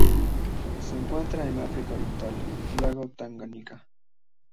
Se encuentra en el África Oriental: lago Tanganika.